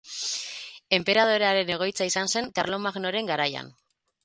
Enperadorearen egoitza izan zen Karlomagnoren garaian.